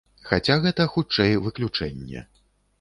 Хаця гэта, хутчэй, выключэнне.